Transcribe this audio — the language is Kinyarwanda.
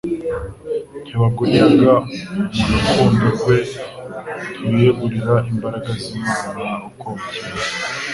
ntibaguniaga mu ntkundo rwe. Ntibiyegurira imbaraga z'Imana uko bukeye